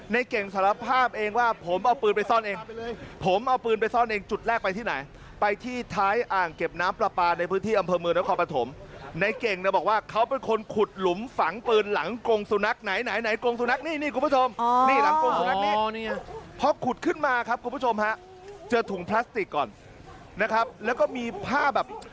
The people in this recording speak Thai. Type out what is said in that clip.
เก่งสารภาพเองว่าผมเอาปืนไปซ่อนเองผมเอาปืนไปซ่อนเองจุดแรกไปที่ไหนไปที่ท้ายอ่างเก็บน้ำปลาปลาในพื้นที่อำเภอเมืองนครปฐมในเก่งเนี่ยบอกว่าเขาเป็นคนขุดหลุมฝังปืนหลังกงสุนัขไหนไหนกงสุนัขนี่นี่คุณผู้ชมนี่หลังกงสุนัขนี่พอขุดขึ้นมาครับคุณผู้ชมฮะเจอถุงพลาสติกก่อนนะครับแล้วก็มีผ้าแบบ